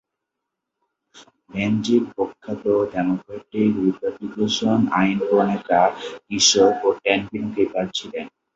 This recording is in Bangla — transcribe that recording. বেঞ্জামিন প্রখ্যাত ডেমোক্র্যাটিক-রিপাবলিকান আইন প্রণেতা, কৃষক ও ট্যাভার্ন-কিপার ছিলেন।